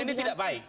semua ini tidak baik